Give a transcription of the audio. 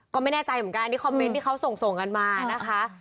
ก็ไม่ในใจเหมือนกันส่งกันมานะคะ